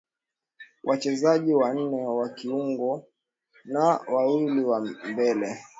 wachezaji wanne wa kiungo na wawili wa mbele